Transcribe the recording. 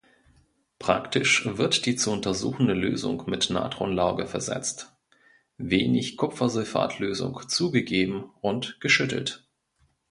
Praktisch wird die zu untersuchende Lösung mit Natronlauge versetzt, wenig Kupfersulfat-Lösung zugegeben und geschüttelt.